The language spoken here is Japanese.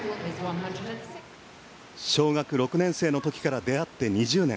小学６年生の時から出会って２０年。